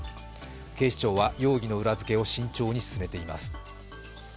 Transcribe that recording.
警視庁は容疑の裏付けを慎重に進めています。